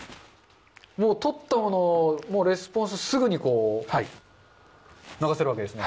もうとったものをレスポンス、すぐに流せるわけですね。